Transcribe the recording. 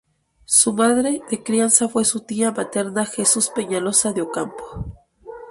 Su madre de crianza fue su tía materna Jesús Peñaloza de Ocampo.